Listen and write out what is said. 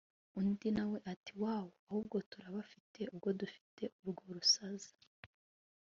undi nawe ati wooow! ahubwo turabafite ubwo dufite urwo rusaza